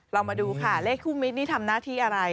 เรามาดูค่ะเลขคู่มิตรนี่ทำหน้าที่อะไร